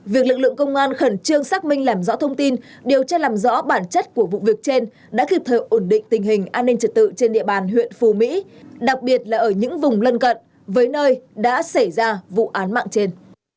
việc lực lượng công an khẩn trương xác minh làm rõ thông tin điều tra làm rõ bản chất của vụ việc trên đã kịp thời ổn định tình hình an ninh trật tự trên địa bàn huyện phù mỹ đặc biệt là ở những vùng lân cận với nơi đã xảy ra vụ án mạng trên